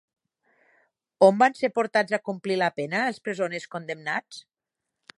On van ser portats a complir la pena els presoners condemnats?